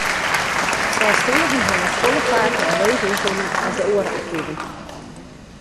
Selsstannigen hawwe folle faker in leech ynkommen as de oare aktiven.